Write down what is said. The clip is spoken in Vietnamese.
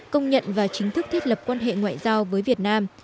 công nhận và chính thức thiết lập quan hệ ngoại giao với việt nam